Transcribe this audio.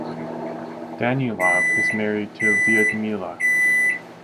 Danilov is married to Lyudmyla.